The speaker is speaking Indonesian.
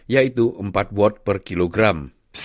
yaitu empat watt per kilogram